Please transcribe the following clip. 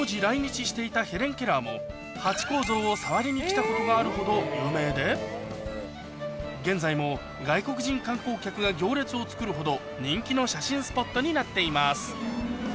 当時ハチ公像を触りに来たことがあるほど有名で現在も外国人観光客が行列を作るほど人気の写真スポットになっています